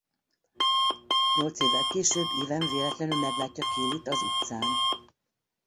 Nyolc évvel később Evan véletlenül meglátja Kayleigh-t az utcán.